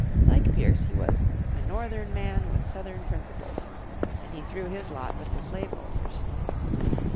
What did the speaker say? Like Pierce, he was a "Northern man with Southern principles," and he threw his lot with the slave holders.